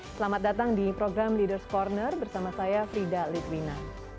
selamat datang di program leaders ⁇ corner bersama saya frida litwina